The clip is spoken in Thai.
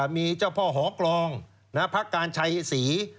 มีเจ้าพ่อหอกรองพระการชัยศรี